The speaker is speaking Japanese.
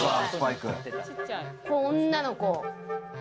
女の子？